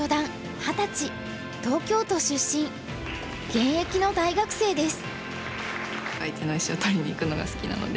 現役の大学生です。